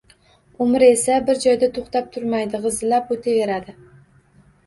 Umr esa bir joyda to‘xtab turmaydi, g‘izillab o‘taveradi.